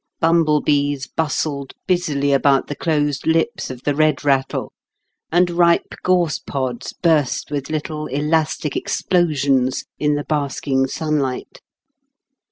Bumble bees bustled busily about the closed lips of the red rattle, and ripe gorse pods burst with little elastic explosions in the basking sunlight.